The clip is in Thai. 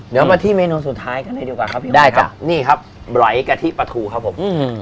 เดี๋ยวมาที่เมนูสุดท้ายกันเลยดีกว่าครับพี่ได้กับนี่ครับไหลกะทิปลาทูครับผม